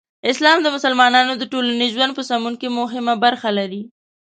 اسلام د مسلمانانو د ټولنیز ژوند په سمون کې مهمه برخه لري.